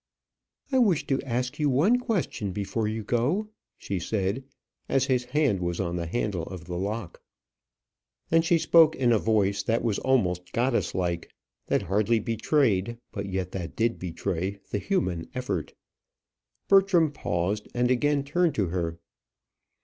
"I wish to ask you one question before you go," she said, as his hand was on the handle of the lock; and she spoke in a voice that was almost goddess like; that hardly betrayed, but yet that did betray, the human effort. Bertram paused, and again turned to her.